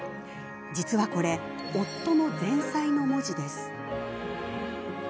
実はこれ、夫の前妻の文字です。